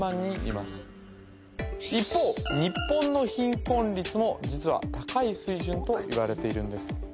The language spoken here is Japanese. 一方日本の貧困率も実は高い水準といわれているんです